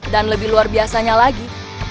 dan lebih luar biasanya lagi